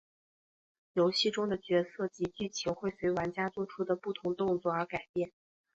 游戏中的角色及剧情会随玩家作出的不同动作而改变。